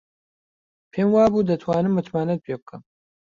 پێم وابوو دەتوانم متمانەت پێ بکەم.